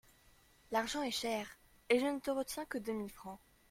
L'argent est cher et je ne te retiens que deux mille francs.